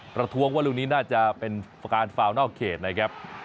ประท้วงว่าลูกนี้น่าจะเป็นประการฟาวนอกเขตนะครับ